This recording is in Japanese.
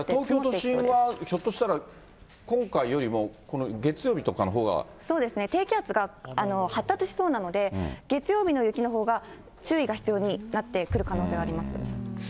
東京都心は、ひょっとしたら、今回よりも、そうですね、低気圧が発達しそうなので、月曜日の雪のほうが注意が必要になってくる可能性があります。